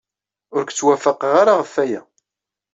Ur k-ttwafaqeɣ ara ɣef waya.